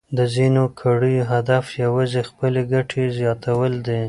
د ځینو کړیو هدف یوازې خپلې ګټې زیاتول دي.